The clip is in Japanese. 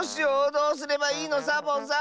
どうすればいいの⁉サボさん。